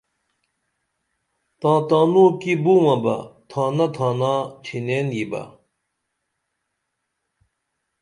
تاں تانوں کی بومہ بہ تھانہ تھانا چھنین یبہ